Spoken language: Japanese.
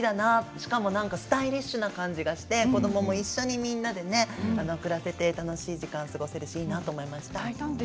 しかもスタイリッシュな感じがして子どもも一緒にみんなでね暮らせて楽しい時間を過ごせるしいいと思いました。